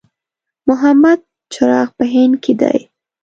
محمد چراغ په هند کې دی.